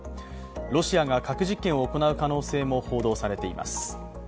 ロシアが核実験を行う可能性も報道されています。